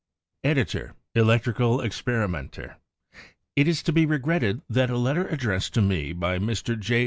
Editor, Electrical Experimenter : It is to be regretted that a letter addrest to me by Mr. J.